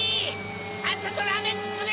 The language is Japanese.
さっさとラーメンつくれ！